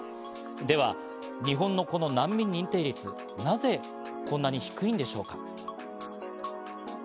では日本のこの難民認定率、なぜこんなに低いんでしょうか？